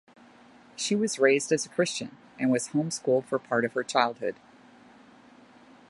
She was raised as a Christian and was homeschooled for part of her childhood.